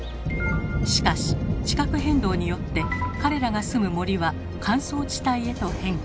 しかし地殻変動によって彼らが住む森は乾燥地帯へと変化。